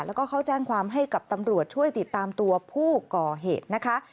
แล้วก็เขาแจ้งความให้กับตำรวจช่วยติดตามตัวผู้ก่อเหตุนะคะ